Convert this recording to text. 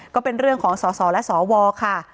ก็เป็นเรื่องของสสและสวค่ะ